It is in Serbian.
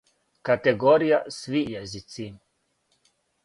Категорија:Сви језици